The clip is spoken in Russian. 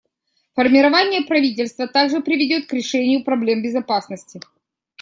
Формирование правительства также приведет к решению проблем безопасности.